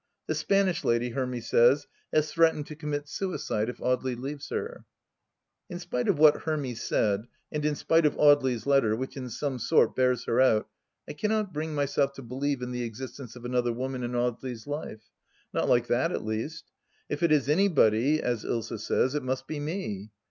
The Spanish lady, Hermy says, has threatened to commit suicide if Audely leaves her. ... In spite of what Hermy said, and in spite of Audely's letter, which in some sort bears her out, I cannot bring myself to believe in the existence of another woman in Audley's life — not like that, at least. If it is anybody, as Ilsa says, it must be me